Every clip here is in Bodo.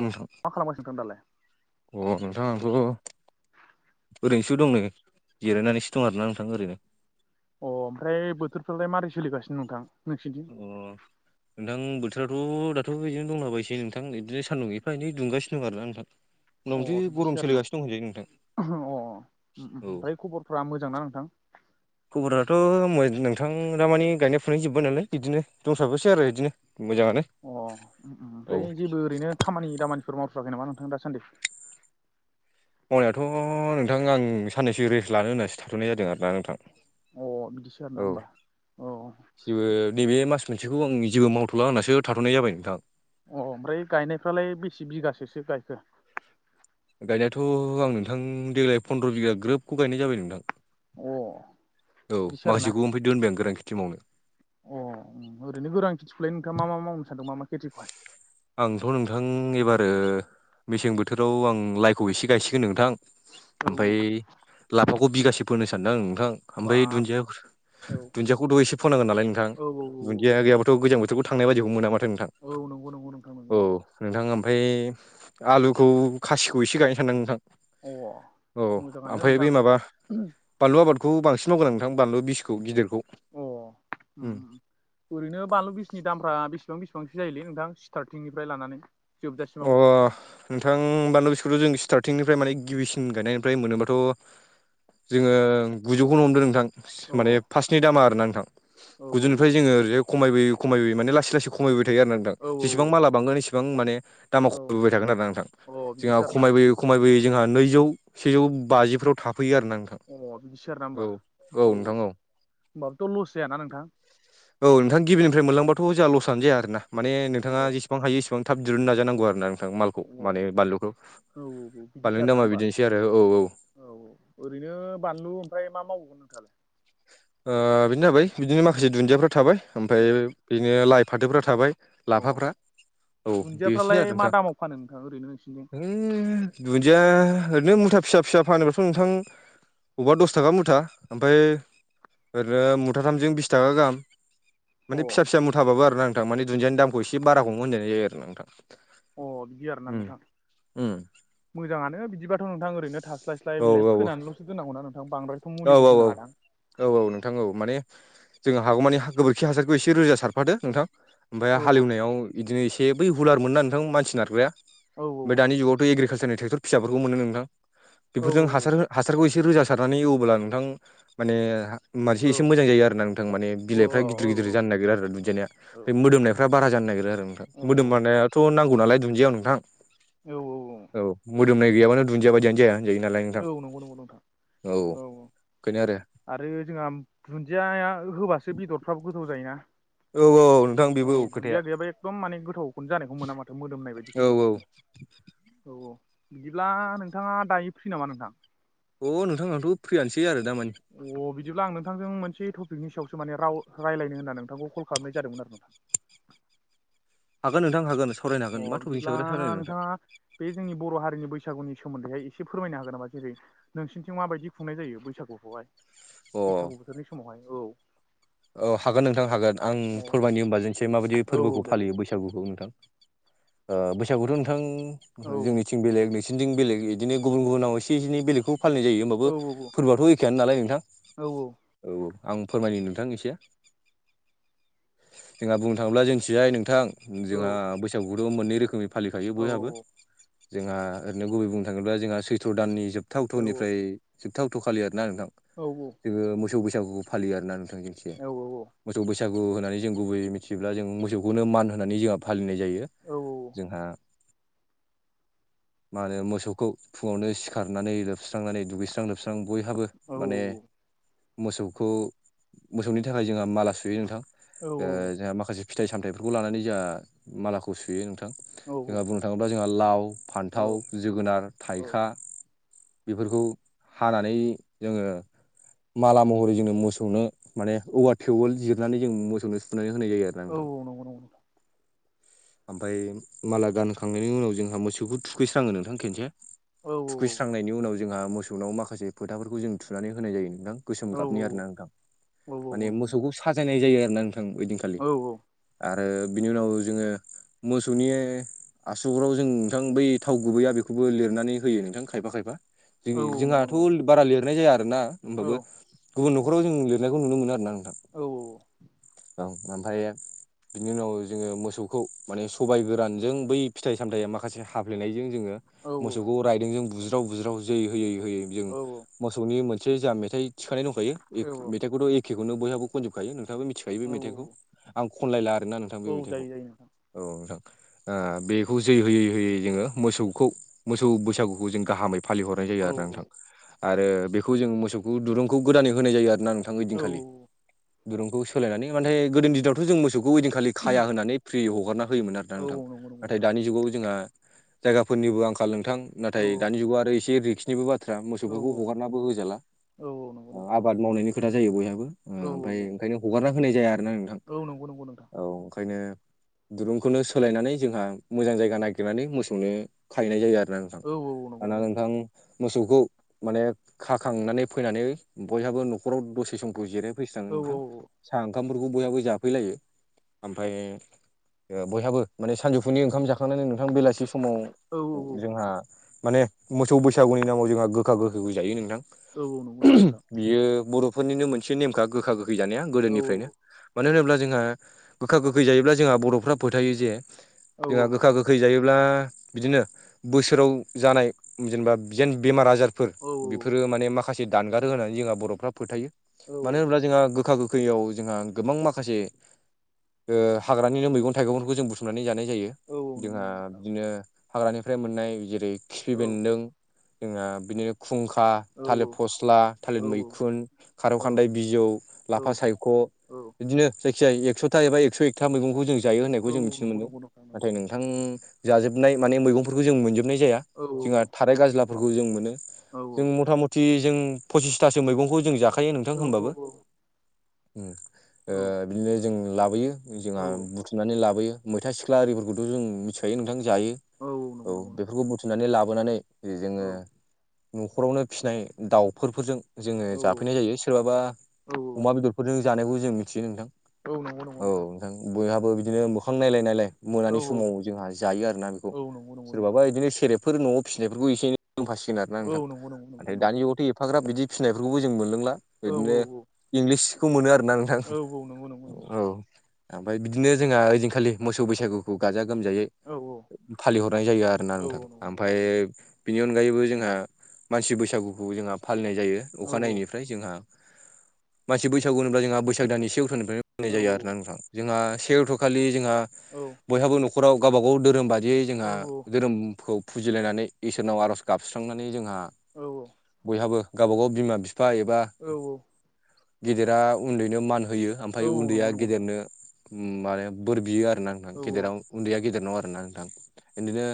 नोंथां मा खालामगासिनो नोंथां दालाय अ नोंथां आं थ' ओरैनोसो दंनै जिरायनानैसो दं आरोना नोंथां ओरैनो अ ओमफ्राय बोथोरफ्रालाय मारै सोलिगासिनो नोंथां नोंसिनिथिं उम। नों बोथोराथ दाथ' बिदिनो दंलाबायोसो नोंथां बिदिनो सान्दुं एफा एनै दुंगासिनो दं आरोना नोंथां [inaudible] अ गरम बिदिसो आरोना सोलिगासिनो दं होनजायो नोंथां अ उहुम औ ओमफ्राय खबरफ्रा मोजांना नोंथां? खबराथ' नोंथां दा मानि गायनाय फुनाय जोब्बाय नालाय बिदिनो दंसाबोसै आरो बिदिनो मोजाङानो अह औ ओमफ्राय जेबो ओरैनो खामानि दामानिफोर मावथ्राखै नामा नोंथां दासान्दि? मावनायाथ' नोंथां आं साननैसो रेस्ट लानो होननासो थाथ'नाय जादों आरोना नोंथां। अह बिदिसो आरो ना औ होमबा औ। जेबो नैबे मास मोनसेखौ आं जेबो मावथ'ला होननासो थाथ'नाय जाबाय नोंथां। अह ओमफ्राय गायनायफ्रालाय बेसे बिगासोसो गायखो? गायनायाथ' आं नोंथां। अ औ बिदिसो आरोना माखासेखौ ओमफ्राय दोनबाय आं गोरान खेथि मावनो। अह ओरैनो गोरां खेथिखौलाय नोंथाङा मा मा मावनो सानदों मा मा खेथिखौहाय? आंथ' नोंथां एबारो मेसें बोथोराव आं लाइखौ एसे गायसिगोन नोंथां। औ ओमफ्राय लाफाखौ बिगासे फोनो सानदों आं नोंथां। ओमफ्राय बाब दुन्दिया औ औ औ दुन्दियाखौ थांनाय बदिखौ मोना माथो नोंथां। औ नंगौ नंगौ। नंगौ औ नंगौ नोंथां ओमफ्राय आलुखौ खासिखौ एसे गायनो सानदों नोंथां। अ औ मोजाङानो ओमफ्राय नोंथां बे माबा बानलु आबादखौ बांसिन मावगोन आ नोंथां बानलु बिसखौ गिदिरखौ अह उम उम ओरैनो बानलु बिसफोरनि लामाफोरा बेसे बेसे‌जायोलै सिथारथिंनिफ्राय लानानै जोबजासिमाव अह नोंथां बानलु बिसखौथ'जों स्टार्टिंनिफ्राय माने गिबिसिन गायनायनिफ्राय मोनोबाथ' जोङो गुजौखौनो हमदो औ नोंथां। माने फार्स्टनि दामा आरोना नोंथां औ गुजौनिफ्राय जोङो ओरैजाय खमायबोयै खमायबोयै माने लासै लासै खमायबोबाय थायो आरोना नोंथां औ जेसेबां माला बांगोन एसेबां माने दामा औ खमायबोबाय थागोन आरोना नोंथां औ अ बिदिसो जोंहा आरोना खमायबोयै खमायबोयै जोंहा नैजौ सेजौ बाजिफ्राव थाफैयो आरोना नोंथां। अह बिदिसो आरोना होनबा औ होमबाबोथ' लस जायाना नोंथां? औ नोंथां गिबिनिफ्राय मोनलांबाथ' जोंहा लसआनो जाया आरोना माने अ नोंथाङा जेसे बां हायो इसेबां थाब दिरुननो नाजानांगौ आरोना नोंथां माल खौ औ माने बानलुखौ औ औ बिदिसो बानलुनि आरोना दामा होमबा बिदिनोसै आरो औ-औ औ ओरैनो बानलु ओमफ्राय मा मावबावगोन नोंथाङालाय? बेनो जाबाय बिदिनो माखासे दुन्दियाफ्रा थाबाय ओमफ्राय अ बिनो लाइ फाथोफ्रा थाबाय। अ लाफाफ्रा औ बेसे दुन्दियाफ्रालाय आरो मा नोंथां। दामाव फानो नोंथां ओरैनो नोंसिनिथिं है दुन्दिया ओरैनो मुथा फिसा फिसा फानोबाथ' नोंथां अबावबा दस थाखा मुथा ओमफ्राय ओरैनो मुथाथामजों बिस थाखा गाहाम अ माने फिसा फिसा मुथाबाबो आरोना। नोंथां मानि दुन्दियानि दामखौ एसे बारा हमो होननाय जायो आरो नोंथां। अह बिदि आरोना उम नोंथां। उम मोजाङानो बिदिबाथ' नोंथां ओरैनो औ थास्लायस्लाय बिलाय औ फोनानैल'सो दोननांगौ ना नोंथां बांद्राय औ औ औ। औ-औ नोंथां औ माने जोंहा हागौमानि गोबोरखि हासारखौ एसे रोजा सारफादो नोंथां। ओमफ्राय औ हालेवनायाव बिदिनो एसे बै हुलारमोनना नोंथां मानसि नारग्राया औ ओमफ्राय दानि जुगावथ' एग्रिकालसारनि ट्रेक्टर फिसाफोरखौ मोनो नोंथां औ बेफोरजों हासार हो हासारखौ एसे रोजा सारनानै एवब्ला नोंथां माने मोनसे एसे मोजां जायो आरोना नोंथां माने औ औ बिलाइफ्रा औ गिदिर गिदिर गिदिर जानो नागिरो आरो बेदिनो बे मोदोमनायफ्रा बारा जानो नागिरो ओमफ्राय मोदोम माननायाथ' नां नांगौ नालाय दुनदियायाव नोंथां। औ औ। औ मोदोमनाय गैयाबानो दुन्दिया बायदियानो जाया होनजायो नालाय औ नंगौ नंगौ नोंथां औ। खायनो आरो। आरो जोंआम धुन्दिया होबासो बेदरफ्राबो गोथाव जायोना औ-औ [unintelligible] औ धुन्दिया गैयाबा एकदम माने गोथावखौनो जानायखौ मोना माथो मोदोमनाय औ बायदिखौ मोना औ माथो औ-औ बिदिब्ला नोंथाङा दायो फ्रि नामा नोंथां? अ नोंथां आंथ' फ्रियानोसै आरो दामानि अह बिदिब्ला आं नोंथांजों मोनसे थपिकनि सायावसो माने राव रायलायनो होननानै नोंथांखौ खल खालामनाय जादोंमोन आरो नोंथां। हागोन नोंथां हागोन सारायनो अ हागोन मा थपिकनि बिदिब्ला सायाव सावरायनो नोंथां? नोंथाङा बे जोंनि बर' हारिनि बैसागुनि सोमोन्दैहाय एसे फोरमायनो हागोन नामा जेरै नोंसिनिथिं माबायदि खुंनाय जायो बैसागुखौहाय अ बैसागु बोथोरनि समावहाय औ। औ हागोन नोंथां हागोन आं औ फोरमायनो होमबा जोंनिथिंजाय माबायदि औ औ फोरबोखौ दे फालियो बैसागुखौ नोंथां। ओ बैसागौथ' नोंथां औ [unintelligible] जोंनि थिं बेलेग नोंसिनिथिं बेलेग इदिनो गुबुन गुबुनाव एसे एनै बेलेगखौ फालिनाय जायो। ओमबाबो औ फोरबोआथ' एखेयानो नालाय नोंथां औ औ-औ आं फोरमायनि नोंथां एस [unintelligible] जोंहा बुंनो थाङोब्ला जोंनिथिंजाय नोंथां औ जोंहा बैस सागुखौथ' मोननै रोखोमै फालिखायो औ बयहाबो जोंहा ओरैनो गुबै बुंनो थाङोब्ला जोंहा सैथ्र' दाननि जोबथा औ अक्थ'निफ्राय जोबथा अक्थ'खालि आरोना नोंथां। औ-औ। जोङो मोसौ बैसागुखौ फालियो आरोना नोंथां जोंनिथिंजाय औ औ औ। मोसौ बैसागु होननानै जों गुबै मिथियोब्ला जों मोसौखौनो मान होननानै जोंहा फालिनाय जायो जोंहा मा होनो मोसौखौ फुङावनो सिखारनानै लोबस्रांनानै दुगैस्रां लोबस्रां बयहाबो माने औ मोसौखौ मोसौनि [unintelligible] थाखाय जोंहा माला सुयो नोंथां ओ जोंहा माखासे फिथाइ सामथाइफोरखौ लानानै जाहा मालाखौ सुयो नोंथां जोंहा बुंनो थाङोब्ला जोंहा लाव फान्थाव औ जोगोनार औ थाइखा बिफोरखौ हानानै जोङो माला महरै जोंनो मोसौनो माने औवा थेवोल जिरनानै जों मोसौनो सुनानै होनाय जायो आरोना औ नोंथां। नंगौ नंगौ ओमफाय माला गानहोखांनायनि उनाव जोंहा मोसौखौ थुखैस्राङो नोंथां खेनसे औ [unintelligible] खुइस्रांनायनि उनाव जोंहा मोसौनाव माखासे फोथाफोरखौ जों थुनानै होनाय जायो नोंथां। गोसोम औ गाबनि आरोना नोंथां औ माने नंगौ नंगौ मोसौखौ साजायनाय जायो आरो ना [unintelligible] ओं ओयदिंखालि औ आरो बिनि उनाव जोङो मोसौनि आसुगुराव जों नोंथां बै थाव गुबैया बेखौबो लिरनानै होयो नोंथां खायफा खायफा औ जोंनि नंगौ नंगौ जोंहाथुल नंगौ [unintelligible] बारा लिरनाय जाया आरोना औ ओमबाबो गुबुन न'खराव जों लिरनायखौ नुनो मोनो आरोना नोंथां। औ औ। औ ओमफायो बिनि उनाव जोङो मोसौ खौ माने सबाय गोरानजों बै फिथाइ सामथाइया माखासे हाफ्लेनायजों जोङो औ मोसौ गौ रायदों जों बुज्राव बुज्राव जै होयै होयै जों औ मोसौनि मोनसे जा मेथाइ थिखानाय दंखायो एक मेथाइखौथ' एखेखौनो बयहाबो खनजोबखायो नोंथाङाबो मिथि खायो बे औ मेथाइखौ औ आं खनलायला आरोना नोंथां बे औ मेथाइखौ जायो जायो नोंथां औ नोंथां। ओ बेखौ जै होयै होयै जोङो मोसौखौ मोसौ बैसागुखौ जों गाहामै फालिहरनाय जायो औ आरोना नोंथां आरो बेखौ जोङो मोसौखौ दुरुंखौ गोदानै होनाय जायो आरोना [unintelligible] थां औ ओइदिनखालि दुरुंखौ सोलायनानै माने गोदोनि दिनावथ' जों मोसौखौ ओइदिनखालि खाया होननानै फ्रि हगारना होयोमोन आरो ना औ नोंथां नंगौ नंगौ नाथाय नंगौ दानि जुगाव जोंहा जायगाफोरनिबो आंख खाल नोंथां औ नाथाय दानि जुगाव आरो एसे रिक्सनिबो बाथ्रा औ मोसौफोरखौ हगारनाबो होजाला औ नंगौ ओ नंगौ आबाद मावनायनि खोथा जायो बयहाबो ओ औ ओमफाय ओंखायनो हगारना होनाय जाया आरोना नों औ नंगौ नंगौ नोंथां औ ओंखायनो दिरुंखौनो सोलायनानै जोंहा मोजां जायगा नागिरनानै मोसौनो खाहैनाय जायो। आरो ना औ औ औ नंगौ आ नंगौ नोंथां मोसौखौ माने खाखांनानै फैनानै बयहाबो न'खराव दसे बे समखौ जिरायफैस्रांङो औ नोंथां साहा ओंखामफोरखौ बयहाबो जाफैलायो ओमफ्राय। ओ बयहाबो माने सानजौफुनि ओंखाम जाखांनानै नोंथां बेलासि समाव औ औ जोंहा माने मोसौव बैसागुनि नामाव जोंहा गोखा गोखैंय जायो नोंथां। औव नंगौ नंगौ नोंथां। बियो बर'फोरनिनो मोनसे नेमखा गोखा गोखैंय जानाया औ गोदोनिफ्रायनो। मानो होनोब्ला जोंहा गोखा गोखैंय जायोब्ला जोंहा बर'फ्रा फोथायो जे जोंहा गोखा गो गोखैजायोब्ला बिदिनो बोसोराव जानाय जेनेबा जेन बेमार आजार फोर औ बेफोरो माने माखासे दानगारो होनानै जोंहा बर'फ्रा फोथायो औ मानो होनोब्ला जोंहा गोखा गो खैंयाव जोंहा गोबां माखासे ओ हाग्रानिनो' मैगं थाइगंफोरखौ जों बुथुमनानै जानाय जायो। औ औ नंगौ जोंहा नंगौ नोंथां बिदिनो हाग्रानिफ्राय मोननाय जेरै खिफि औ बेन्दों जोंना बिदिनो खुंखा औ थालिर औ फस्ला थालिर औ मैखुन खारौ खान्दाय बिजौ लाफा औ सायख' बिदिनो जायखिजाया एकस'था एबा एकस' एकथा मैगं खौ जों जायो होननायखौ जों औ मिथिनो नंगौ मोनदों नंगौ नोंथां नंगौ नाथाय नोंथां। जाजोबनाय माने मैगंफोरखौ जों मोनजोबनाय जाया। औ औ औ जोंहा थाराय गाज्लाफोरखौ जों मोनो औ जों नंगौ मथा म थि जों फसिसथासो मैगंखौ जों जाखायो नंगौ औ नोंथां होमबाबो? औ बिदिनो जों लाबोयो जोंहा बुंथ' सुनानै लाबोयो मैथा सिख्ला आरिफोरखौथ' जों मिथिखायो नोंथां जायो। औ बेफोरखौथि फिनानै लाबोनानै जोंङो न'खरावनो फिसिनाय दाउफोरफोरजों जोंङो जाफैनाय जायो। सोरबाबा अमा औ बेदरफोरजों जानायखौ जों मिथियो नोंथां। औव नंगौ। औ नोंथां बयहाबो बिदिनो मोखां नायलायनायलाय औ मोनानि औ समाव जोंहा जायो। आरोना बेखौ औ नंगौ नंगौ नोंथां सोरबाबा बिदिनो सेरेबफोर न'आव फिसिनायफोरखौ एसे एनै लोंफासिगोन आरो ना औ नोंथां नंगौ नंगौ नोंथां नमफ्राय नंगौ दानि जुगावथ' एफाग्राब बिदि फिसिनायफोरखौबो जों मोनलोंला औ औ बिदिनो इंलिसखौ मोनो आरो ना नोंथां औ औ नंगौ नंगौ नंगौ औव ओमफ्राय बिदिनो जोंहा ओ ई दिनखालि मोसौव बैसागुखौ गाजा गोमजायै। औ औ फालिहरनाय जायो। आरो ना औ नोंथां औ नंगौ नंगौ ओमफ्राय नोंथां बेनि अनगायैबो जोंहा मानसि बैसागुखौ जोंहा फालिनाय जायो औ अखानायै ओमफ्राय जोंहा मानासि बैसागु होनोब्ला जोंहा बैसाग दान ए से उथ'निफ्रायनो औ होननाय जायो। आरो जोंहा से अकट खालि जोंहा औव बयहाबो न'खराव गावबाागाव धोरोम बादियै औ जोंहा धोरोमखौ फुजिलायनानै इसोरनाव आर'ज गाबस्रांनानै जोंहा औ बयहाबो गावबाागाव बिमा बिफा एबा औव औव गेदेरा उन्दैनो मान होयो। औ ओमफ्राय औ नंगौ उन्दैया नंगौ नोंथां गेदेरनो माने बोर बियो आरो ना नोंथां औ गेदेराव उन्दैया गेदेरनाव आरो ना नोंथां बिदिनो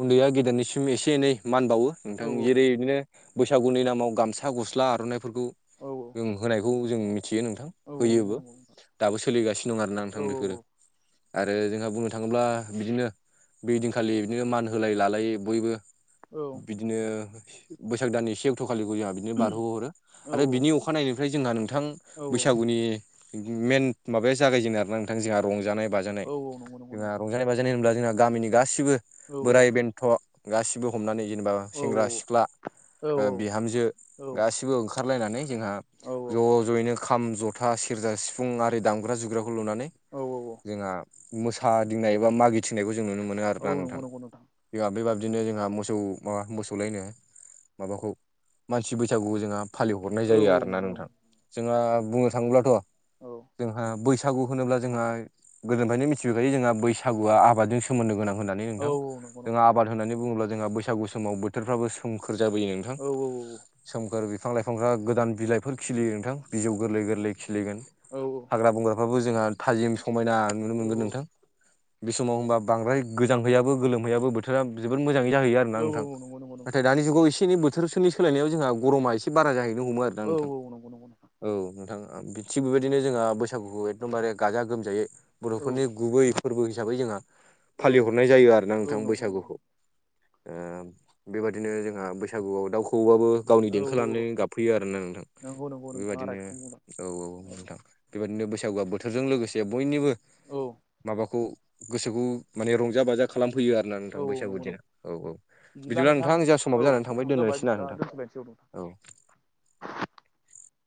उन्दैया गेदेरनिसिम एसे एनै मान बावो औ नोंथां जेरै बिदिनो बैसागुनि नामाव गामसा गस्ला आर'नाइफोरखौ औ जों होनायखौ जों मिथि मिथियो नोंथां औ औ नंगौ होयोबो नंगौ नोंथां दाबो सोलिगासिनो दं आरोना औ नोंथां। औ औ नंगौ औ बेफोरो आरो जोंहा बुंनो थांङोब्ला बिदिनो बैइ दिनखालि बिदिनो मान होलाय लालायो बयबो। औ बिदिनो बैसाग दाननि से अक्ट'खालि खौ जोंहा बिदिनो बारहो हरो आरो बिनि अखा अ खानायनिफ्राय जोंहा नोंथां बैसागुनि मेन माबाया जागायजेनो आरो ना नोंथां जोंहा रंजानाय बाजानाय नंगौ नंगौ जोंहा रज नोंथां रंजानाय बाजानाय होनोब्ला जोंना गामिनि गासिबो औ नंगौ औ बोराइ बेन्थ' गासिबो हमनानै जेनेबा सेंग्रा सिख्ला बिहामजो गासिबो ओंखारलायनानै जोंहा-' ज' ज'यैनो खाम जथा सेर्जा सिफुं आरि दामग्रा जुग्रा खुलुनानै जोहा मोसादिंनाय एबा मागि थिंनायखौ जों नुनो मोनो आरोना नंगौ नोंथां नंगौ जोंहा बेबाबदिनो [unintelligible] जोंहा मोसौ माबा मोसौलायनो माबाखौ मानसि बैसागु जोंहा फालिहरनाय जायो आरोना नोंथां जोंहा बुंनो थाङोब्लाथ' औ जोंहा बैसागु होनोब्ला जोंहा गोदोनिफ्रायनो मिथिबोखायो जोंहा बैसागुआ आबादजों सोमोन्दो गोनां होनना नै नोंथां औ औ जोङा औ आबाद औ होननानै बुङोब्ला जोंहा बैसागु समाव बोथोरफ्राबो सोमखोर जाबोयो। नोंथां सोमखोर बिफां लाइफांफ्रा गोदान बिलाइफोर खिलियो नोंथां बिजौ गोरलै गोरलै खिलिगोन। औ ओ हाग्रा बंग्राफ्राबो जोंहा थाजिम समायना नुनो औ मोनगोन नोंथां। बे समाव होमबा बांद्राय गोजां हैयाबो गोलोमहैयाबो बोथो राबो जोबोर मोजाङै जाहैयो आरोना औ नोंथां नंगौ नंगौ नोंथां नाथाय दानि जुगाव एनै बो थोरसोनि सोलायनायाव जोंहा गरमा एसेारा जाहैनो हमो। आरोना औ नोंथां औ नंगौ नंगौ औ नोंथां थिग बेबायदिनो जोंहा बैसागुखौ एकदमबारे गाजा गोमजायै औ बर'फोरनि गुबै फोरबो हिसाबै जोंहा औ फालिहरनाय जायो आरोना नोंथां औ नंगौ नंगौ बैसागुखौ नोंथां ओ बेबादिनो जोंहा बैसागुआव दाउ खौवोआबो गावनि औ देंखो औ लानानै गाबफैयो आरोना नोंथां नंगौ नंगौ नोंथाङा बेबायदिनो राइटखौ बुंदों औ औ नोंथां बेबायदिनो बैसागुआ बोथोरजों लोगोसे बयनिबो औ माबाखौ गोसोखौ माने रंजा बाजा खालामफैयो आरो। आरोना औ नोंथां औ बैसागु नंगौ नंगौ दिना औ औ बिदिब्ला नोंथां जोङा समाबो औ जानानै थांबाय समाबो जाबाय दोननोसै ना बिदिब्ला नोंथां? दोनथ'लायनोसै नोंथां औ